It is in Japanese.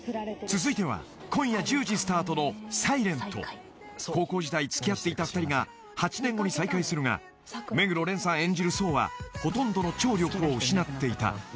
［続いては今夜１０時スタートの『ｓｉｌｅｎｔ』］［高校時代付き合っていた２人が８年後に再会するが目黒蓮さん演じる想はほとんどの聴力を失っていた］